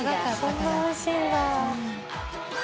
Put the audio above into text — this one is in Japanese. そんなおいしいんだ。